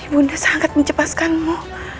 ibu undang sangat mencepaskanmu